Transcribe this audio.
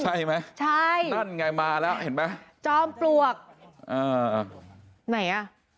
ใช่ไหมใช่นั่นไงมาแล้วเห็นไหมจอมปลวกอ่าไหนอ่ะ